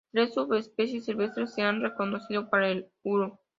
Tres subespecies silvestres se han reconocido para el uro.